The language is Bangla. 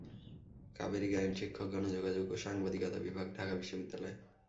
কাবেরী গায়েন শিক্ষক, গণযোগাযোগ ও সাংবাদিকতা বিভাগ, ঢাকা বিশ্ববিদ্যালয়।